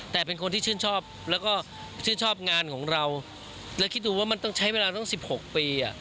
แต่เป็นคนที่ชื่นชอบแล้วก็ชื่นชอบงานของเราและคิดดูว่ามันต้องใช้เวลาตั้ง๑๖ปี